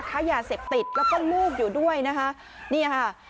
ค้ายาเสพติดแล้วก็ลูกอยู่ด้วยนะคะนี่ค่ะ